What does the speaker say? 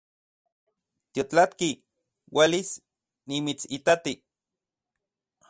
Tiotlatki uelis nimitsitati